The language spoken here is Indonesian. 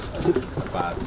hari ini saya memenuhi janji